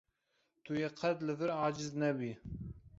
Tu yê qet li vir aciz nebî.